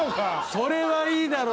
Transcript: それはいいだろ！